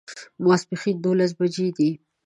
ماسپښین دوولس بجې دي